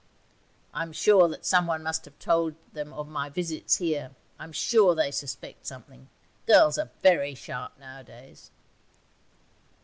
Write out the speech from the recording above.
'I'm sure that someone must have told them of my visits here; I'm sure they suspect something ... Girls are very sharp nowadays.'